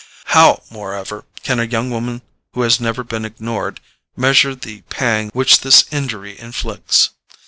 How, moreover, can a young woman who has never been ignored measure the pang which this injury inflicts?